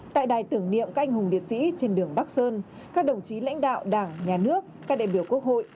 tại đài tưởng niệm các anh hùng liệt sĩ trên đường bắc sơn các đồng chí lãnh đạo đảng nhà nước các đại biểu quốc hội